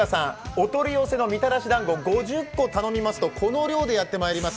お取り寄せのみたらしだんご５０個、頼みますとこの量でやってまいります。